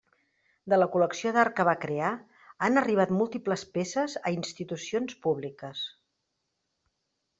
De la col·lecció d'art que va crear han arribat múltiples peces a institucions públiques.